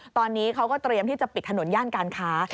ตอนนี้เขาก็เตรียมที่จะปิดถนนย่านการค้า